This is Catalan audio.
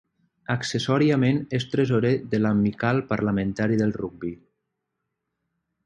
Accessòriament, és tresorer de l'Amical Parlamentari del Rugbi.